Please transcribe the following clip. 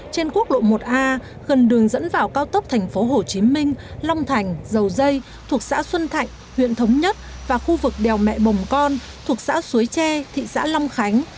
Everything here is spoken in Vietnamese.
trên quốc lộ một a gần đường dẫn vào cao tốc thành phố hồ chí minh long thành dầu dây thuộc xã xuân thạnh huyện thống nhất và khu vực đèo mẹ bồng con thuộc xã suối tre thị xã long khánh